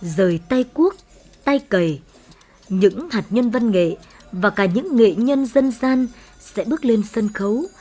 rời tay quốc tay cầy những hạt nhân văn nghệ và cả những nghệ nhân dân gian sẽ bước lên sân khấu